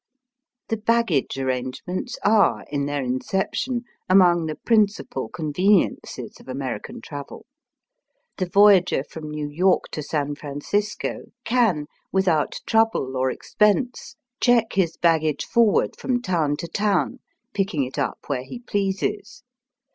The baggage arrangements are, in their inception, among the principal conveniences of American travel. The voyager from New York to San Francisco can, without trouble or expense, check his baggage forward from town Digitized by VjOOQIC 156 EAST BY WEST. to town, picking it up where lie pleases.